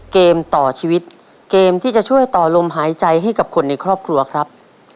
เกมต่อชีวิตเกมที่จะช่วยต่อลมหายใจให้กับคนในครอบครัวครับ